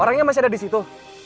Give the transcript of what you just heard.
orangnya masih ada disitu